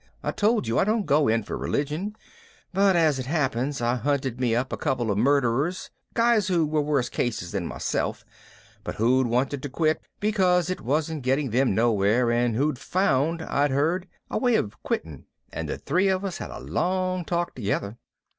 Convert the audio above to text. "I told you I don't go for religion. As it happens, I hunted me up a couple of murderers, guys who were worse cases then myself but who'd wanted to quit because it wasn't getting them nowhere and who'd found, I'd heard, a way of quitting, and the three of us had a long talk together."